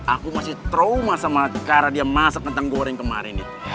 aku masih trauma sama karena dia masak tentang goreng kemarin